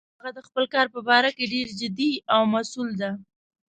هغه د خپل کار په باره کې ډیر جدي او مسؤل ده